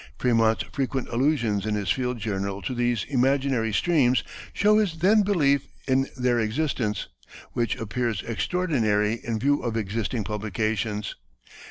Frémont's frequent allusions in his field journal to these imaginary streams show his then belief in their existence, which appears extraordinary in view of existing publications.